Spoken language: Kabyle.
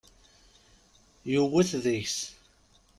Yewwet deg-s.